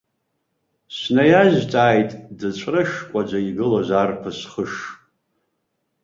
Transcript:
Снаиазцааит дыҵәрышкәаӡа игылаз арԥыс хыш.